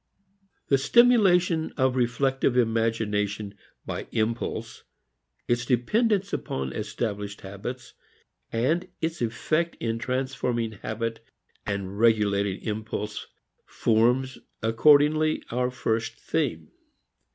The stimulation of reflective imagination by impulse, its dependence upon established habits, and its effect in transforming habit and regulating impulse forms, accordingly, our first theme.